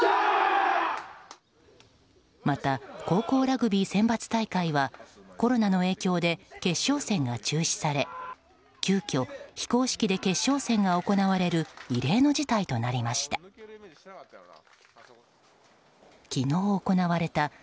また、高校ラグビー選抜大会はコロナの影響で決勝戦が中止され急きょ非公式で決勝戦が行われる異例の事態となりました。